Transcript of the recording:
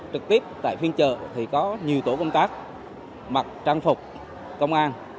trực tiếp tại phiên chợ thì có nhiều tổ công tác mặc trang phục công an